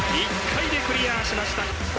１回でクリアしました。